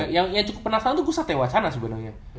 yang cukup penasaran tuh gua satewacana sebenernya